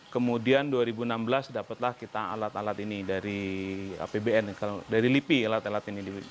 kemudian dua ribu enam belas dapatlah kita alat alat ini dari apbn dari lipi alat alat ini